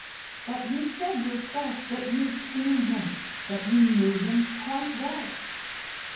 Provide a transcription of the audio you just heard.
"But you said yourself that you'd seen him, that you knew him quite well?"